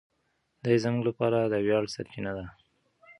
دی زموږ لپاره د ویاړ سرچینه ده.